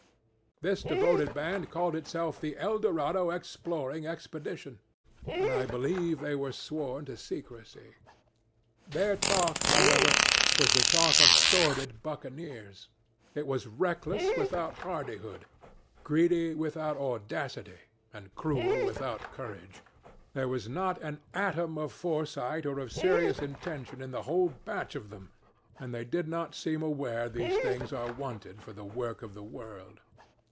"This devoted band called itself the Eldorado Exploring Expedition, and I believe they were sworn to secrecy. Their talk, however, was the talk of sordid buccaneers: it was reckless without hardihood, greedy without audacity, and cruel without courage; there was not an atom of foresight or of serious intention in the whole batch of them, and they did not seem aware these things are wanted for the work of the world.